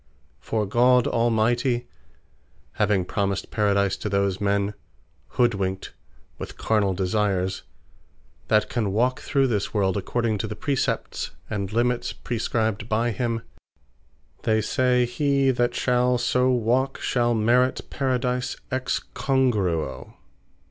For God Almighty, having promised Paradise to those men (hoodwinkt with carnall desires,) that can walk through this world according to the Precepts, and Limits prescribed by him; they say, he that shall so walk, shall Merit Paradise Ex Congruo.